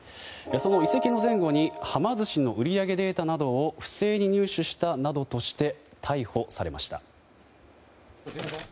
その移籍の前後にはま寿司の売り上げデータなどを不正に入手したなどとして逮捕されました。